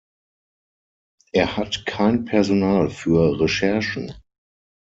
Er hat kein Personal für Recherchen.